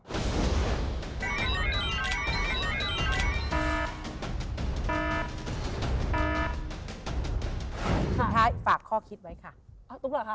สุดท้ายฝากข้อคิดไว้ค่ะ